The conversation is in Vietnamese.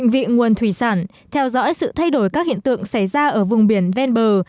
vị nguồn thủy sản theo dõi sự thay đổi các hiện tượng xảy ra ở vùng biển ven bờ